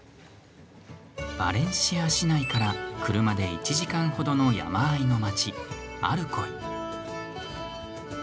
バレンシア市内から車で１時間ほどの山あいの街アルコイ。